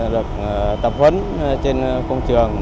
được tập huấn trên công trường